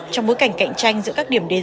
trong bối cảnh cạnh tranh giữa các điểm đến